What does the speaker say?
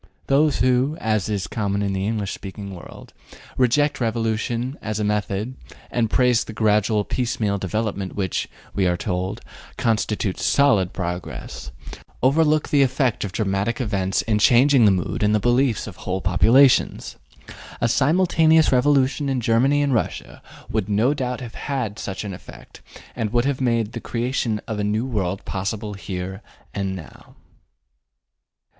Those who (as is common in the English speaking world) reject revolution as a method, and praise the gradual piecemeal development which (we are told) constitutes solid progress, overlook the effect of dramatic events in changing the mood and the beliefs of whole populations. A simultaneous revolution in Germany and Russia would no doubt have had such an effect, and would have made the creation of a new world possible here and now.